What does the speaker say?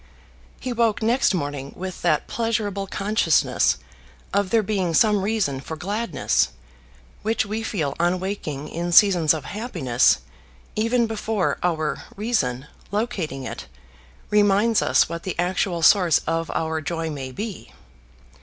He woke next morning with that pleasurable consciousness of there being some reason for gladness, which we feel on waking in seasons of happiness, even before our reason, locating it, reminds us what the actual source of our joy may be.